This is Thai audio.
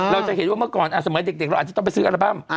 เราจะเห็นว่าเมื่อก่อนสมัยเด็กเราอาจจะต้องไปซื้ออัลบั้ม